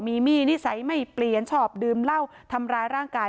มีมี่นิสัยไม่เปลี่ยนชอบดื่มเหล้าทำร้ายร่างกาย